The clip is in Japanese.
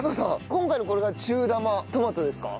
今回のこれが中玉トマトですか？